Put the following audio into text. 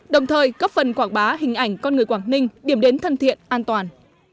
đồng thời cấp phần quảng bá hình ảnh con người quảng ninh điểm đến thân thiện an toàn